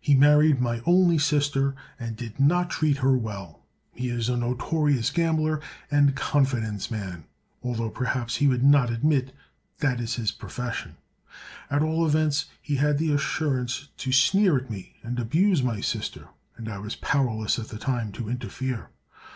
He married my only sister and did not treat her well. He is a notorious gambler and confidence man, although perhaps he would not admit that is his profession. At all events he had the assurance to sneer at me and abuse my sister, and I was powerless at the time to interfere.